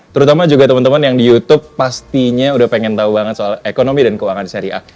terutama juga teman teman yang di youtube pastinya udah pengen tahu banget soal ekonomi dan keuangan syariah